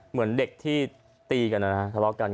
เหมือนเด็กที่ตีกันนะฮะทะเลาะกัน